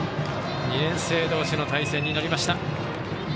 ２年生同士の対戦になりました。